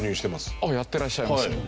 あっやってらっしゃいます？